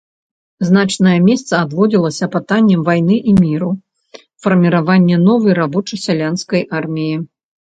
Значнае месца адводзіла пытанням вайны і міру, фарміравання новай рабоча-сялянскай арміі.